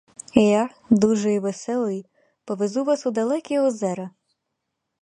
Я, дужий і веселий, повезу вас у далекі озера.